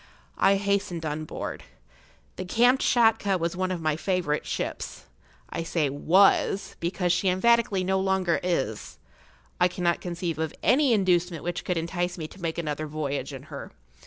I hastened on board. The Kamtschatka was one of my favourite ships. I say was, because she emphatically no longer is. I cannot conceive of any inducement which could entice me to make another voyage in her.